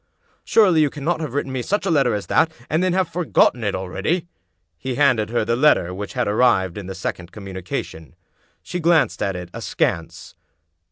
"Surely you cannot have written me such a letter as that, and then have forgotten it already? " He handed her the letter which had arrived in the sec ond communication. She glanced at it, askance.